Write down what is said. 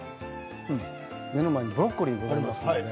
目の前にブロッコリーがあります。